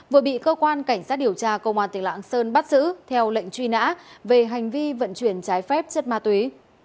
vừa bị cơ quan cảnh sát điều tra công an tp bumathuot bắt giữ theo lệnh truy nã về hành vi vận chuyển trái phép chất ma túy